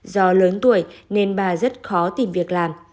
do lớn tuổi nên bà rất khó tìm việc làm